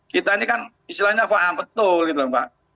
kita ini kan istilahnya faham betul gitu loh mbak